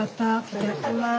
いただきます。